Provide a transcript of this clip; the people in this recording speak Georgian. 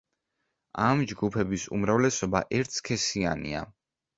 ამ ჯგუფების უმრავლესობა ერთსქესიანია.